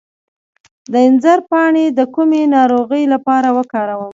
د انځر پاڼې د کومې ناروغۍ لپاره وکاروم؟